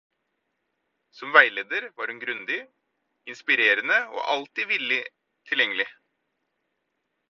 Som veileder var hun grundig, inspirerende og alltid villig tilgjengelig.